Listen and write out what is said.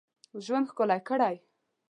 ژوند ښکلی کړی.